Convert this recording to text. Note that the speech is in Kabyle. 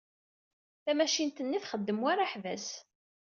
Tamacint-nni txeddem war aḥbas.